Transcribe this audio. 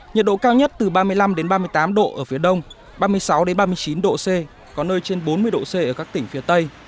nhiệt độ cao nhất từ ba mươi năm ba mươi tám độ ở phía đông ba mươi sáu ba mươi chín độ c có nơi trên bốn mươi độ c ở các tỉnh phía tây